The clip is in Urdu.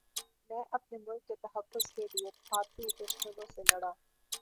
میں اپنے ملک کے تحفظ کے لیے بھارتی دشمنوں سے لڑا